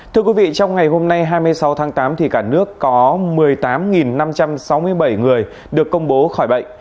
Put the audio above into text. thưa quý vị trong ngày hôm nay hai mươi sáu tháng tám cả nước có một mươi tám năm trăm sáu mươi bảy người được công bố khỏi bệnh